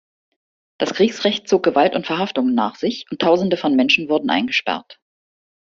Das Kriegsrecht zog Gewalt und Verhaftungen nach sich, und Tausende von Menschen wurden eingesperrt.